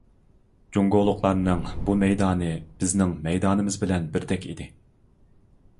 جۇڭگولۇقلارنىڭ بۇ مەيدانى بىزنىڭ مەيدانىمىز بىلەن بىردەك ئىدى.